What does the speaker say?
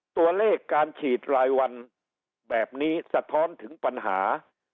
ตัวเลขการฉีดรายวันแบบนี้สะท้อนถึงปัญหา